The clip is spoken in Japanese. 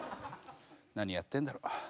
何やってんだろ。